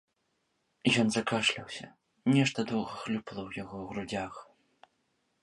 Ён закашляўся, нешта доўга хлюпала ў яго грудзях.